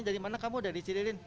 dari mana kamu ada di cililin